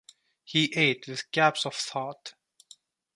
He ate with gaps of thought.